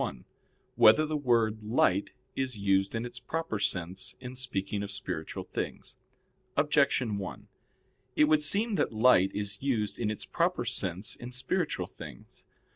1] Whether the Word "Light" Is Used in Its Proper Sense in Speaking of Spiritual Things? Objection 1: It would seem that "light" is used in its proper sense in spiritual things.